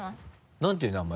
なんていう名前？